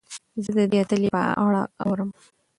زه د دې اتلې په اړه اورم.